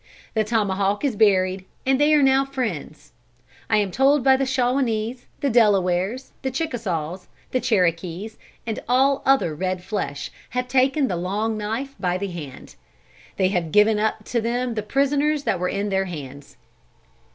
The tomahawk is buried, and they are now friends. I am told the Shawanese, the Delawares, Chickasaws, Cherokees, and all other red flesh, have taken the Long Knife by the hand. They have given up to them the prisoners that were in their hands.